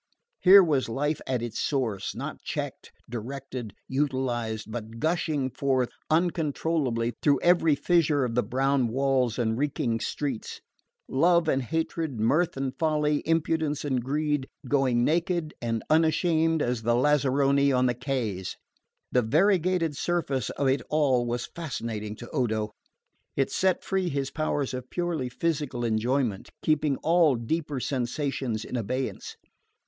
Here was life at its source, not checked, directed, utilised, but gushing forth uncontrollably through every fissure of the brown walls and reeking streets love and hatred, mirth and folly, impudence and greed, going naked and unashamed as the lazzaroni on the quays. The variegated surface of it all was fascinating to Odo. It set free his powers of purely physical enjoyment, keeping all deeper sensations in abeyance.